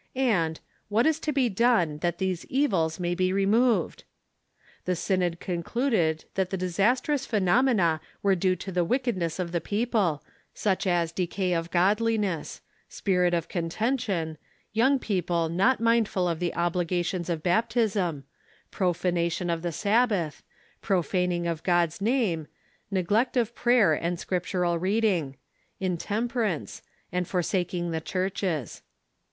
and, What 460 THE CHURCH IX THE UNITED STATES is to be done that tliese evils may be removed? The synod concluded that the disastrous phenomena Avere due to the wickedness of the people, such as decay of godliness ; spirit of contention; young people not mindful of the obligations of baptism; profanation of the Sabbath; profaning of God's name; neglect of prayer and scriptural reading; intemperance; and forsaking the churches.